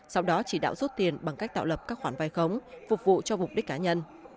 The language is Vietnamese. sau đó chỉ đạo rút tiền bằng cách tạo lập các khoản vai khống phục vụ cho mục đích cá nhân